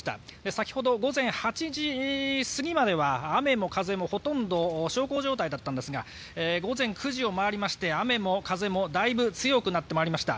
先ほど午前８時過ぎまでは雨も風もほとんど小康状態だったんですが午前９時を回りまして雨も風もだいぶ強くなってまいりました。